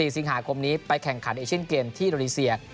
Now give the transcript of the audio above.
๔สิงหาคมนี้ไปแข่งขันเอเชียนเกมที่อินโดนีเซีย